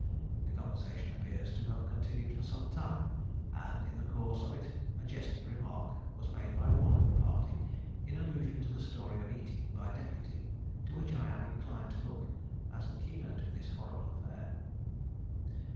The conversation appears to have continued for some time (II., 2.), and in the course of it a jesting remark was made by one of the party in allusion to the story of eating by deputy, to which I am inclined to look as the key note of this horrible affair.